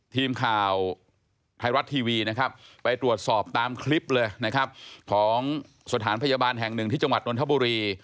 ทีมข่าวไทยรัฐทีวีนะครับไปตรวจสอบตามคลิปเลยนะครับของสถานพยาบาลแห่งหนึ่งที่จังหวัดนทบุรี